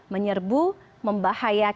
menyerbu membahayakan sandra